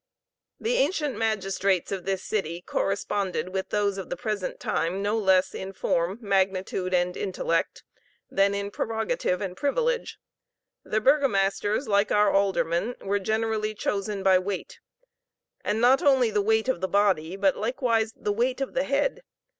The ancient magistrates of this city corresponded with those of the present time no less in form, magnitude, and intellect, than in prerogative and privilege. The burgomasters, like our aldermen, were generally chosen by weight and not only the weight of the body, but likewise the weight of the head.